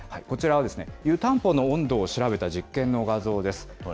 こちらはですね、湯たんぽの温度を調べた実験の画像です。